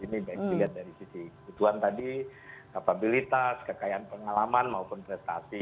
ini baik dilihat dari sisi kebutuhan tadi kapabilitas kekayaan pengalaman maupun prestasi